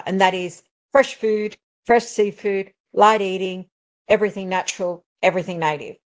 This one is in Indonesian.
yaitu makanan segar makanan air makanan cair semuanya natural semuanya asli